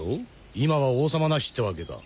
今は王様なしってわけか。